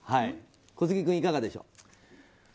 小杉君、いかがでしょう。